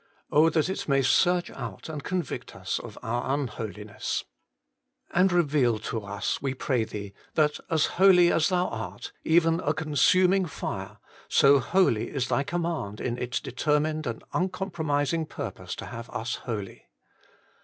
Oh that it may search out and convict us of our unholiness ! And reveal to us, we pray Thee, that as holy as Thou art, even a consuming fire, so holy is Thy command in its determined and uncompromising pur GOD'S PROVISION FOR HOLINESS. 27 pose to have us holy.